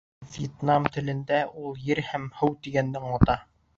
Вьетнам телендә ул ер һәм һыу тигәнде аңлата.